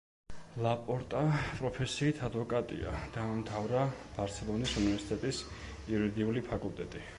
ლაპორტა პროფესიით ადვოკატია, დაამთავრა ბარსელონის უნივერსიტეტის იურიდიული ფაკულტეტი.